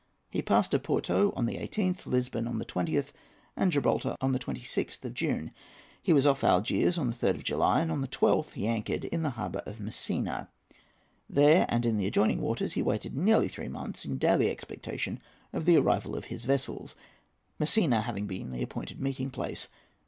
He passed Oporto on the 18th, Lisbon on the 20th, and Gibraltar on the 26th of June. He was off Algiers on the 3rd of July, and on the 12th he anchored in the harbour of Messina. There, and in the adjoining waters, he waited nearly three months, in daily expectation of the arrival of his vessels, Messina having been the appointed meeting place.